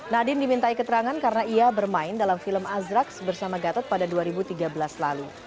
nadine dimintai keterangan karena ia bermain dalam film azrax bersama gatot pada dua ribu tiga belas lalu